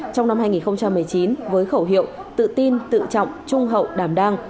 trong năm hai nghìn một mươi chín với khẩu hiệu tự tin tự trọng trung hậu đảm đang